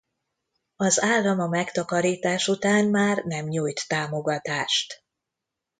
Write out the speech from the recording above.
Az állam a megtakarítás után már nem nyújt támogatást.